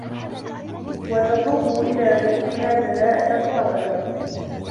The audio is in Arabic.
وَتَضُمَّ إلَى لُؤْمِهَا دَنَاءَةً وَغَدْرًا